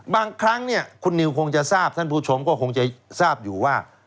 บางครั้งเนี่ยคุณนิวคงจะทราบท่านผู้ชมก็คงจะทราบอยู่ว่า